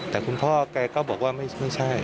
แต่คุณพ่อแกก็บอกว่าไม่ใช่